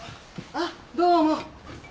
ああどうも。